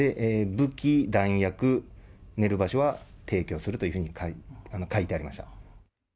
武器、弾薬、寝る場所は提供するというふうに書いてありました。